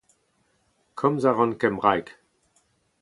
Komz a ran kembraeg.